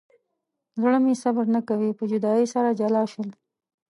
زړه مې صبر نه کوي په جدایۍ سره جلا شول.